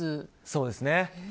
そうですね。